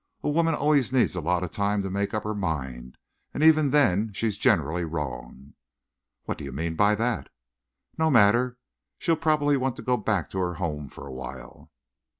A woman always needs a lot of time to make up her mind, and even then she's generally wrong." "What do you mean by that?" "No matter. She'll probably want to go back to her home for a while."